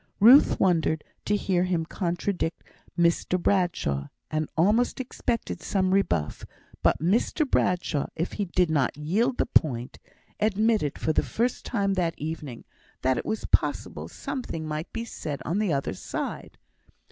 Ruth wondered to hear him contradict Mr Bradshaw, and almost expected some rebuff; but Mr Bradshaw, if he did not yield the point, admitted, for the first time that evening, that it was possible something might be said on the other side.